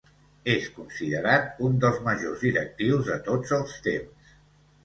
És considerat un dels majors directius de tots els temps.